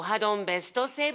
ベスト７